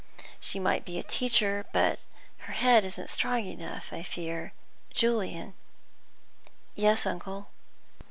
She might be a teacher, but her head isn't strong enough, I fear. Julian " "Yes, uncle?"